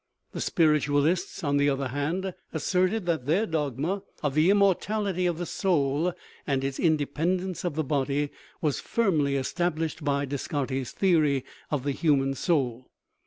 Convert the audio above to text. The spiritualists, on the other hand, asserted that their dogma of the immortality of the soul and its independence of the body was firmly established by Descartes' theory of the human soul.